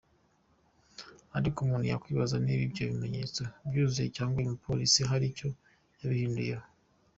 Ariko umuntu yakwibaza niba ibyo bimenyetso byuzuye cyangwa uyu mupolisi hari icyo yabihinduyeho.